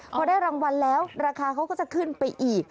พอได้รางวัลแล้วราคาเขาก็จะขึ้นไปอีก